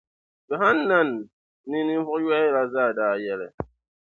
Jɔhanan ni ninvuɣ’ yoya la zaa daa yɛli.